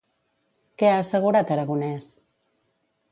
Què ha assegurat Aragonès?